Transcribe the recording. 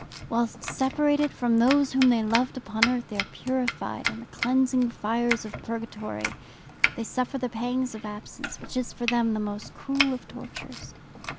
"'Whilst separated from those whom they loved upon earth, they are purified in the cleansing fires of purgatory, they suffer the pangs of absence, which is for them the most cruel of tortures.